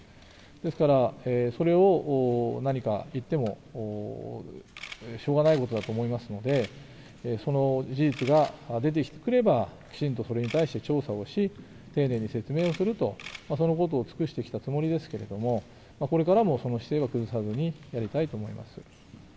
ですから、それを何か言ってもしょうがないことだと思いますので、その事実が出てくれば、きちんとそれに対して調査をし、丁寧に説明をすると、そのことを尽くしてきたつもりですけれども、これからもその姿勢を崩さずにやりたいと思います。